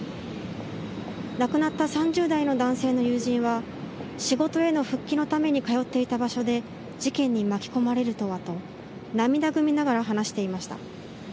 亡くなった３０代の男性の友人は仕事への復帰のために通っていた場所で事件に巻き込まれるとはと涙ぐみながら話していました。